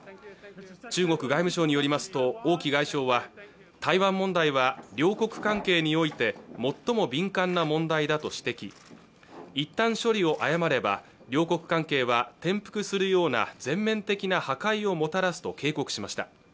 中国外務省によりますと王毅外相は台湾問題は両国関係において最も敏感な問題だと指摘いったん処理を誤れば両国関係は転覆するような全面的な破壊をもたらすと警告しました